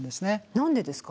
何でですか？